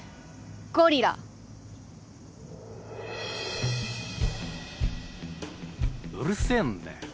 ゴリラ！うるせえんだよ。